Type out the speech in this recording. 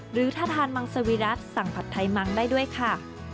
หรือถ้าทานมังสวิรัติสั่งผัดไทยมังได้ด้วยค่ะ